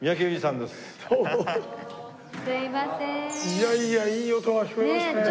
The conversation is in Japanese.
いやいやいい音が聴こえましてね。